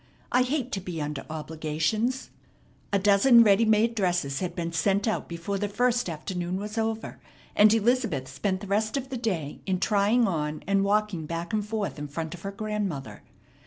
I hate to be under obligations." A dozen ready made dresses had been sent out before the first afternoon was over, and Elizabeth spent the rest of the day in trying on and walking back and forth in front of her grandmother.